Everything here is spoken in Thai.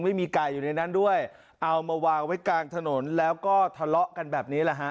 ไม่มีไก่อยู่ในนั้นด้วยเอามาวางไว้กลางถนนแล้วก็ทะเลาะกันแบบนี้แหละฮะ